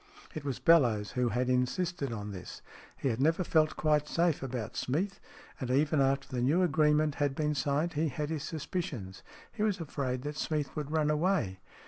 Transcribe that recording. It was Bellowes who had insisted on this. He had never felt quite safe about Smeath, and even after the new agreement had been signed he had his suspicions. He was afraid that Smeath would run away.